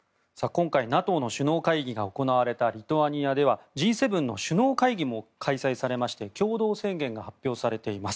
今回ＮＡＴＯの首脳会議が行われたリトアニアではＧ７の首脳会議も開催されまして共同宣言が発表されています。